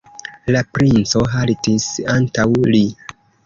La princo haltis antaŭ li.